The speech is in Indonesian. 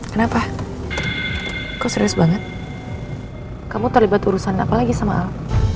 kenapa kok serius banget kamu terlibat urusan apa lagi sama al